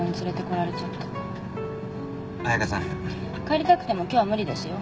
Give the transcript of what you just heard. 帰りたくても今日は無理ですよ。